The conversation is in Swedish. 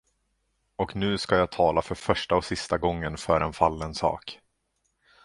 Och nu ska jag tala för första och sista gången för en fallen sak.